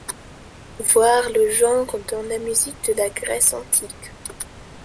Voir Le genre dans la musique de la Grèce antique.